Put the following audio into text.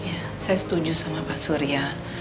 ya saya setuju sama pak surya